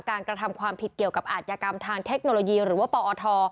กระทำความผิดเกี่ยวกับอาจยากรรมทางเทคโนโลยีหรือว่าปอท